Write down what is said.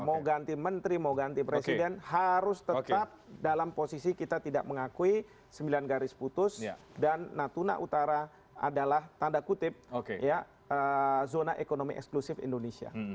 mau ganti menteri mau ganti presiden harus tetap dalam posisi kita tidak mengakui sembilan garis putus dan natuna utara adalah tanda kutip zona ekonomi eksklusif indonesia